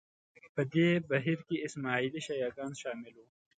په دې بهیر کې اسماعیلي شیعه ګان شامل وو